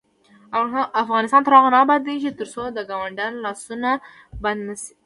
افغانستان تر هغو نه ابادیږي، ترڅو د ګاونډیانو لاسوهنه بنده نشي.